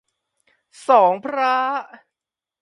สองพระ